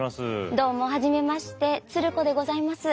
どうも初めまして鶴子でございます。